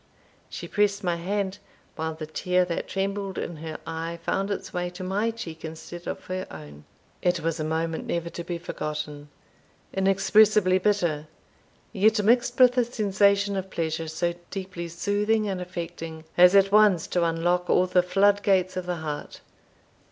She pressed my hand, while the tear that trembled in her eye found its way to my cheek instead of her own. It was a moment never to be forgotten inexpressibly bitter, yet mixed with a sensation of pleasure so deeply soothing and affecting, as at once to unlock all the flood gates of the heart.